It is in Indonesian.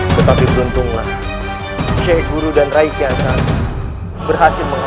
tetapi beruntunglah sheikh guru dan rai kiansah berhasil menganggap